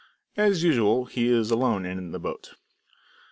As usual he is alone in the boat.